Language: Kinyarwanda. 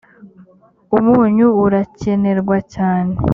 umunyu urakenerwa cyane